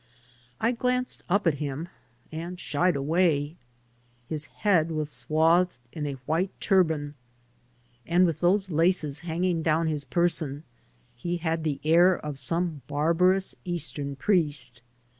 I glanced up at him and shied away. His head was swathed in a white turban, and with those laces hanging down his person he had the air of some barbarous Eastern priest.